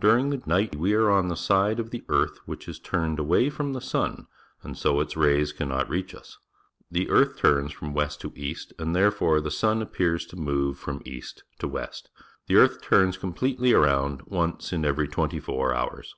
During the night we are on the side of the earth which is turned away from the sun. and so its rays cannot reach us. The earth turns fro m west_to east , and, therefore, the sun appears to move from east to west. The earth turns completely around once in every twentv four hours.